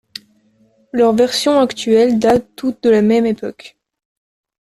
Leurs versions actuelles datent toutes de la même époque.